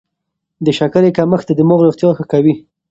د شکرې کمښت د دماغ روغتیا ښه کوي.